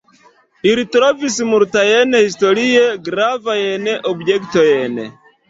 Ili trovis multajn historie gravajn objektojn.